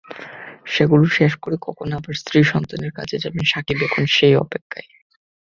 সেগুলো শেষ করে কখন আবার স্ত্রী-সন্তানের কাছে যাবেন, সাকিব এখন সেই অপেক্ষায়।